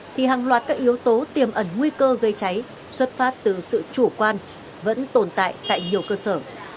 thì hàng loạt các yếu tố tiềm ẩn nguy cơ gây cháy xuất phát từ sự chủ quan vẫn tồn tại tại nhiều cơ sở